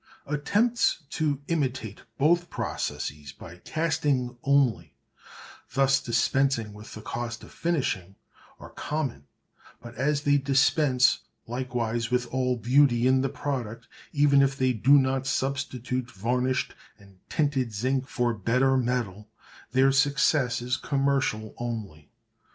Attempts to imitate both processes by casting only, thus dispensing with the cost of finishing, are common, but as they dispense likewise with all beauty in the product, even if they do not substitute varnished and tinted zinc for better metal, their success is commercial only.